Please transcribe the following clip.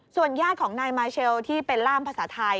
ญาติของนายมาเชลที่เป็นล่ามภาษาไทย